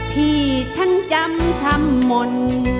ที่ฉันจำทำมน